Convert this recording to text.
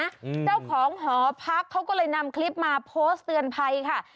เจ้าของหอพักเขาก็เลยนำคลิปมาโพสต์เตือนภัยค่ะ